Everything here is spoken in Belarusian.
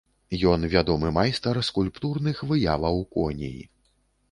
Ён вядомы майстар скульптурных выяваў коней.